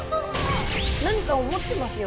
何かを持ってますよ